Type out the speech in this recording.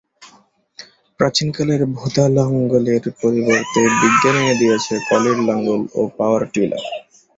প্রাচীনকালের ভোতা লাঙ্গলের পরিবর্তে বিজ্ঞান এনে দিয়েছে কলের লাঙ্গল ও পাওয়ার টিলার।